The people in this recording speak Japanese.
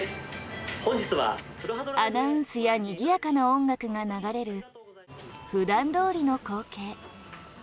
アナウンスやにぎやかな音楽が流れる普段どおりの光景。